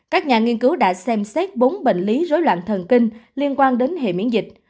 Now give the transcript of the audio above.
các nhà nghiên cứu đã xem xét bốn bệnh lý rối loạn thần kinh liên quan đến hệ miễn dịch